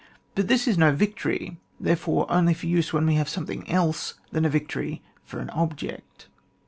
But this is no victory, therefore only for use when we have something else than a victory for an object.